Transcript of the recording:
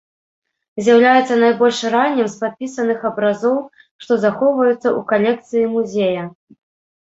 З'яўляецца найбольш раннім з падпісаных абразоў, што захоўваюцца ў калекцыі музея.